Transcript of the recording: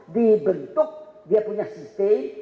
diberituk dia punya sistem